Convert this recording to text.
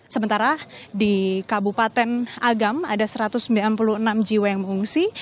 sementara di kabupaten agam ada satu ratus sembilan puluh enam jiwa yang mengungsi